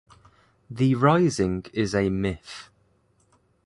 The rising is a myth.